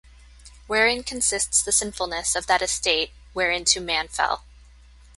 Wherein consists the sinfulness of that estate whereinto man fell?